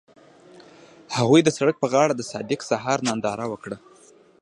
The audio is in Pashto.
هغوی د سړک پر غاړه د صادق سهار ننداره وکړه.